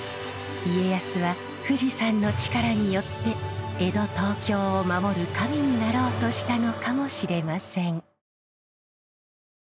家康は富士山の力によって江戸東京を守る神になろうとしたのかもしれません。